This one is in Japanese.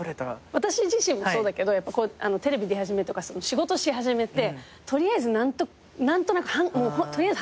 私自身もそうだけどテレビ出始めとか仕事し始めって取りあえずハングリー。